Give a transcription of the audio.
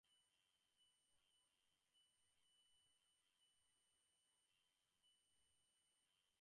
ব্যাপারটা এত আচমকা ঘটল যে আমি বেশ হকচাকিয়েই গেলাম।